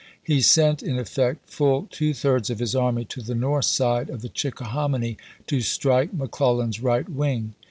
He sent, in effect, full two thirds of his army to the north side of the Chickahominy to strike McClellan's right wing.